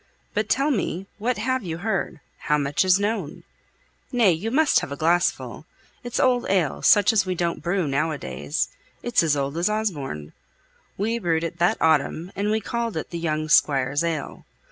But tell me; what have you heard? how much is known? Nay, you must have a glass full. It's old ale, such as we don't brew now a days; it's as old as Osborne. We brewed it that autumn, and we called it the young squire's ale.